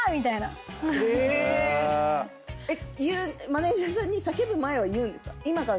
マネジャーさんに叫ぶ前は言うんですか？